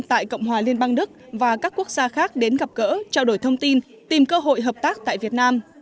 tại cộng hòa liên bang đức và các quốc gia khác đến gặp gỡ trao đổi thông tin tìm cơ hội hợp tác tại việt nam